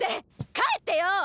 帰ってよッ！